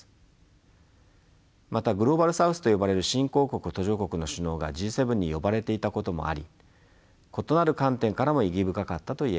またグローバル・サウスと呼ばれる新興国・途上国の首脳がＧ７に呼ばれていたこともあり異なる観点からも意義深かったと言えましょう。